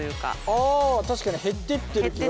あ確かに減っていってる気がする。